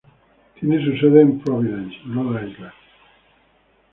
Tiene su sede en Providence, Rhode Island.